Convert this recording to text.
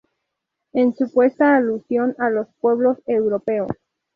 En supuesta alusión a los pueblos europeos.